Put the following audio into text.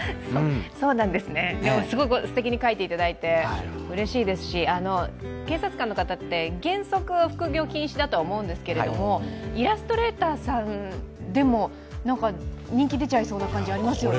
そうなんですね、でもすごくすてきに描いていただいて警察官の方って、原則副業禁止だと思うんですけれども、イラストレーターさんでも人気出ちゃいそうな感じありますよね。